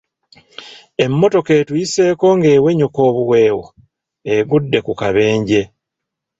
Emmotoka etuyiseeko ng'eweenyuuka obuweewo egudde ku kabenje.